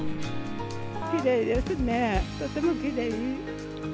きれいですね、とてもきれい。